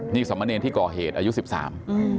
นี่ส่วนสำเนรนที่ก่อเหตุอายุสิบสาม